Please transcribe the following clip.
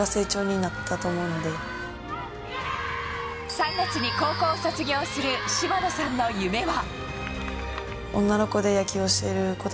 ３月に高校を卒業する島野さんの夢は。